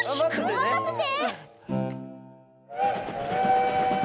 まかせて！